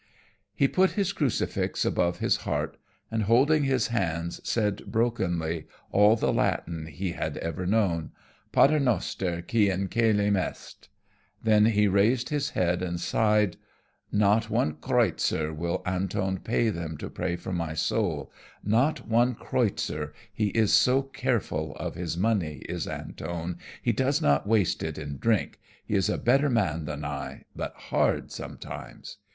He put his crucifix above his heart, and folding his hands said brokenly all the Latin he had ever known, "Pater noster, qui in cælum est." Then he raised his head and sighed, "Not one kreutzer will Antone pay them to pray for my soul, not one kreutzer, he is so careful of his money, is Antone, he does not waste it in drink, he is a better man than I, but hard sometimes.